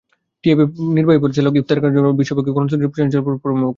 টিআইবির নির্বাহী পরিচালক ইফতেখারুজ্জামান বলেন, বিশ্বব্যাপী গণতন্ত্র চ্যালেঞ্জের মুখোমুখি।